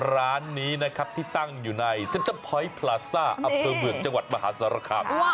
ร้านนี้นะครับที่ตั้งอยู่ในเซ็นเตอร์พอยต์พลาซ่าอำเภอเมืองจังหวัดมหาสารคาม